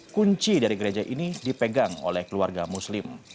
kunci dari gereja ini dipegang oleh keluarga muslim